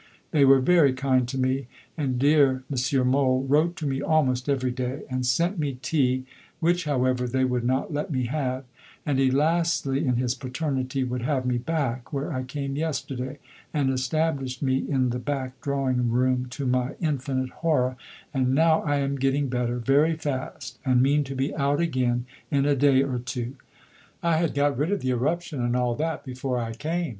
They were very kind to me and dear M. Mohl wrote to me almost every day, and sent me tea (which, however, they would not let me have), and he lastly, in his paternity, would have me back (where I came yesterday), and established me in the back drawing room, to my infinite horror, and now I am getting better very fast, and mean to be out again in a day or two. I had got rid of the eruption and all that before I came.